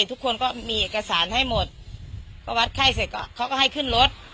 ทุกคนก็มีเอกสารให้หมดก็วัดไข้เสร็จก็เขาก็ให้ขึ้นรถ